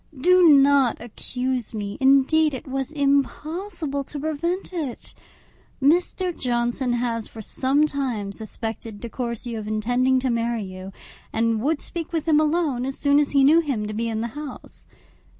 Do not accuse me; indeed, it was impossible to prevent it. Mr. Johnson has for some time suspected De Courcy of intending to marry you, and would speak with him alone as soon as he knew him to be in the house.